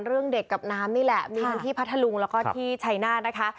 เรื่องเด็กกับน้ำนี่แหละมีทั้งที่พัทธลุงแล้วก็ที่ชัยนาธนะคะ